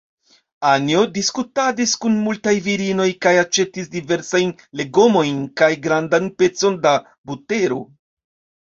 Anjo diskutadis kun multaj virinoj kaj aĉetis diversajn legomojn kaj grandan pecon da butero.